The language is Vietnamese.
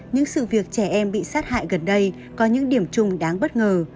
những sự việc trẻ em bị sát hại gần đây có những điểm chung đáng bất ngờ